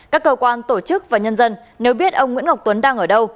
các cơ quan tổ chức và nhân dân nếu biết ông nguyễn ngọc tuấn đang ở đâu